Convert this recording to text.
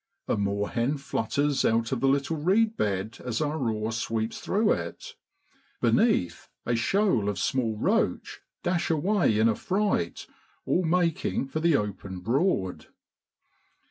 A moorhen flutters out of the little reedbed as our oar sweeps through it; beneath, a shoal of small roach dash away in affright, all making for the open broad.